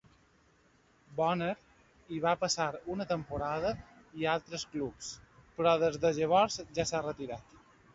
Bonner hi va passar una temporada i a altres clubs, però des de llavors ja s'ha retirat.